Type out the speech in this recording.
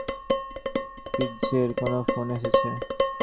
ফিটজের কোনো ফোন এসেছে?